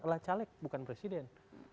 alah caleg bukan presiden